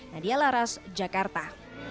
nadia laras jakarta